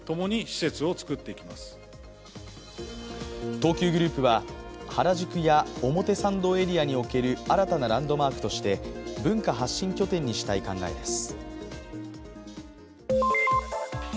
東急グループは原宿や表参道エリアにおける新たなランドマークとして文化発信拠点にしたい考です。